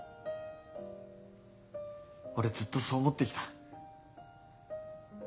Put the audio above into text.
俺ずっとそう思って来た。